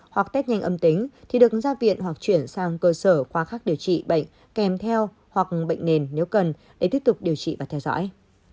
hoặc test nhanh âm tính thì được ra viện hoặc chuyển sang cơ sở khoa khác điều trị bệnh kèm theo hoặc bệnh nền nếu cần để tiếp tục điều trị và theo dõi